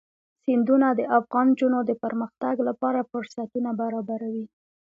سیندونه د افغان نجونو د پرمختګ لپاره فرصتونه برابروي.